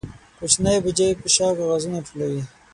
کوچنی بوجۍ په شا کاغذونه ټولوي.